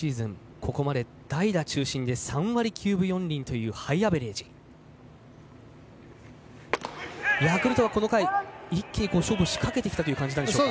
ここまで代打中心で３割４分９厘というハイアベレージヤクルトが一気に勝負を仕掛けてきたんでしょうか。